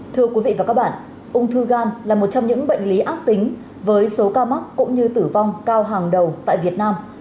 thưa quý vị và các bạn ung thư gan là một trong những bệnh lý ác tính với số ca mắc cũng như tử vong cao hàng đầu tại việt nam